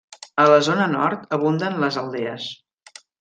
A la zona nord, abunden les aldees.